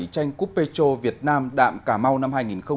tranh cúp pê chô việt nam đạm cà mau năm hai nghìn một mươi chín